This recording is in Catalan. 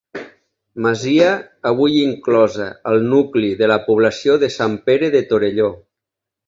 Masia, avui inclosa al nucli de la població de Sant Pere de Torelló.